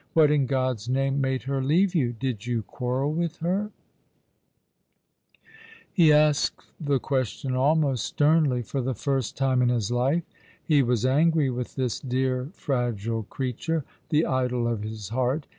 What in God's name made her leave you ? Did you quarrel with her ?" He asked the question almost sternly. For the first time in his life he was angry with this dear fragile creature, the idol of his heart.